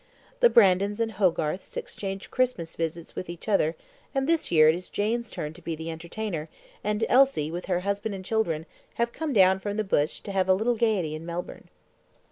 The Brandons and Hogarths exchange Christmas visits with each other, and this year it is Jane's turn to be the entertainer, and Elsie with her husband and children have come down from the bush to have a little gaiety in Melbourne.